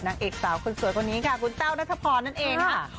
นางเอกสาวคนสวยคนนี้ค่ะคุณแต้วนัทพรนั่นเองค่ะ